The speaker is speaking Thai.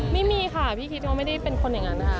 ไม่มีค่ะพี่คิดเขาไม่ได้เป็นคนอย่างนั้นค่ะ